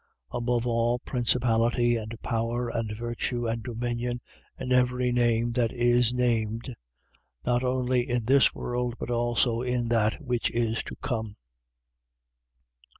1:21. Above all principality and power and virtue and dominion and every name that is named, not only in this world, but also in that which is to come.